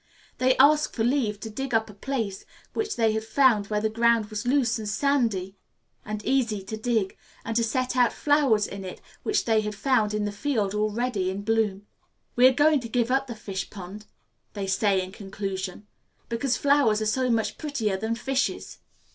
They ask for leave to dig up a place which they had found where the ground was loose and sandy, and easy to dig, and to set out flowers in it which they had found in the field already in bloom. "We are going to give up the fish pond," they say in conclusion, "because flowers are so much prettier than fishes."